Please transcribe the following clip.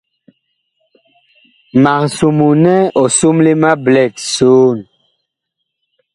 Mag somoo nɛ ɔ somle ma blɛt soon.